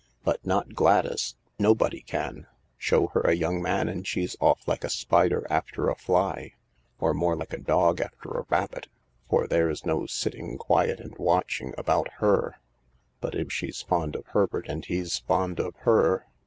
But not Gladys, Nobody can. Show her a young man and she's off like a spider after a fly— or THE LARK 257 more like a dog after a rabbit, for there's no sitting quiet and watching about her/' " But if she's fondof Herbertand he's fond of her